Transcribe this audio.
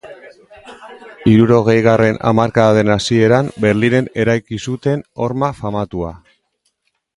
Hirurogeigarren hamarkadaren hasieran Berlinen eraiki zuten horma famatua.